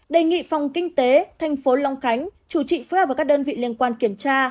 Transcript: đề nghị phòng kinh tế tp hcm chủ trì phối hợp các đơn vị liên quan kiểm tra